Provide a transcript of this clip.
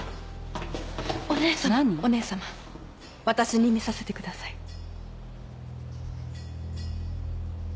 私に見させてください。